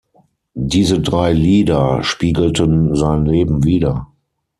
Diese drei Lieder spiegelten sein Leben wider.